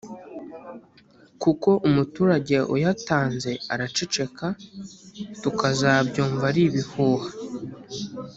kuko umuturage uyatanze araceceka tukazabyumva ari ibihuha